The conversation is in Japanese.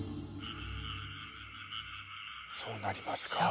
そうなりますか。